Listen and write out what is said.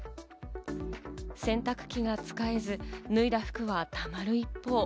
洗濯機が使えず、脱いだ服はたまる一方。